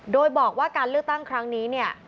โดยบอกว่าการเลือกตั้งครั้งนี้เนี่ย